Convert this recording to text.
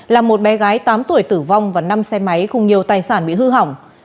là một bé gái tám tuổi tử vong và năm xe máy cùng nhiều tài sản bị hư hỏng